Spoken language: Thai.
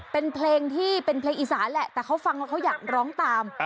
เป็นเพลงอีสานแหละแต่เค้าฟังแล้วเค้าอยากร้องตาม